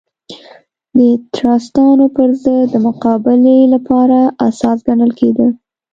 د ټراستانو پر ضد د مقابلې لپاره اساس ګڼل کېده.